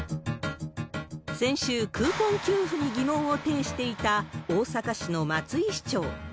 先週、クーポン給付に疑問を呈していた大阪市の松井市長。